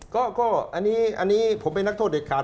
ก็อันนี้ผมเป็นนักโทษเด็ดขาด